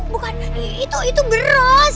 bukan itu itu beras